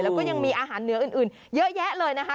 แล้วก็ยังมีอาหารเหนืออื่นเยอะแยะเลยนะคะ